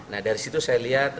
nah dari situ saya lihat